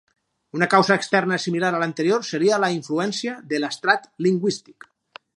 Una causa externa similar a l'anterior seria la influència de l'adstrat lingüístic.